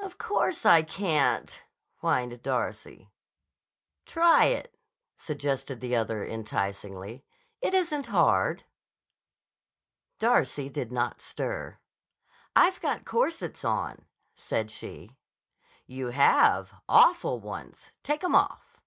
"Of course I can't," whined Darcy. "Try it," suggested the other enticingly. "It isn't hard." Darcy did not stir. "I've got corsets on," said she. "You have. Awful ones. Take 'em off."